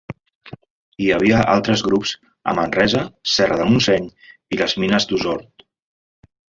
Hi havia altres grups a Manresa, serra de Montseny i les mines d'Osor.